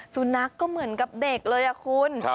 สุนัขก็เหมือนกับเด็กเลยอะคุณ